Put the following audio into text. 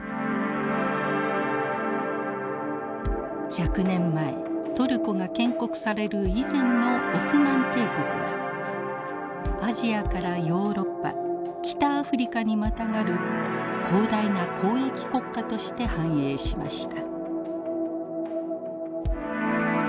１００年前トルコが建国される以前のオスマン帝国はアジアからヨーロッパ北アフリカにまたがる広大な交易国家として繁栄しました。